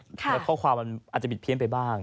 แล้วข้อความมันอาจจะบิดเพี้ยนไปบ้าง